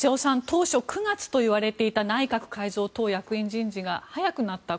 当初９月といわれていた内閣改造、党役員人事が早くなった。